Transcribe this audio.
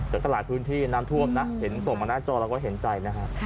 จากตลาดพื้นที่น้ำท่วมส่งมาหน้าจอแล้วก็เห็นใจ